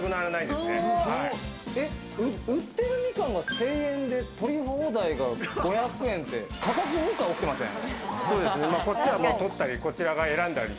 売っているみかんが１０００円で取り放題が５００円って、価格破壊が起きていませんか？